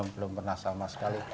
belum pernah sama sekali